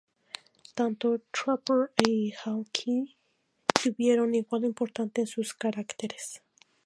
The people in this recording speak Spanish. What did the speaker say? Tanto Trapper y Hawkeye tuvieron igual importante en sus caracteres.